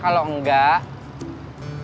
kalau enggak terus terang